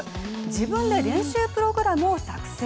自分で練習プログラムを作成。